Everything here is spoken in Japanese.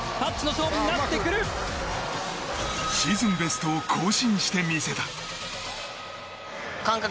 シーズンベストを更新してみせた。